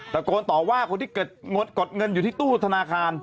ตะโกนต่อว่าคนที่กดเงินอยู่ที่ตู้ธนาคาร